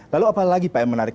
lalu apa lagi pak yang menarik